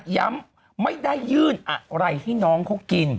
ยังไม่ได้ยื่นอะไรให้น้องเขากิน